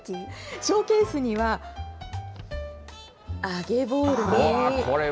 ショーケースには、揚げボールに。